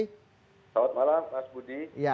selamat malam mas budi